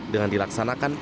dengan dilaksanakan kesatuan